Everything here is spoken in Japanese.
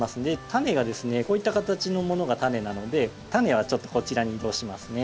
タネがですねこういった形のものがタネなのでタネはちょっとこちらに移動しますね。